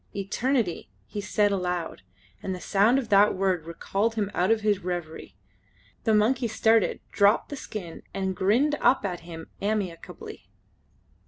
"Eternity!" he said aloud, and the sound of that word recalled him out of his reverie. The monkey started, dropped the skin, and grinned up at him amicably.